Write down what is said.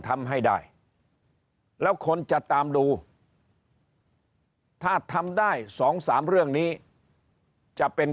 ทำให้ได้แล้วคนจะตามดูถ้าทำได้๒๓เรื่องนี้จะเป็น